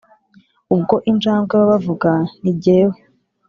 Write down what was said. "ubwo injangwe baba bavuga ni jyewe